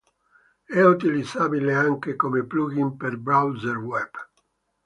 È utilizzabile anche come plugin per browser web.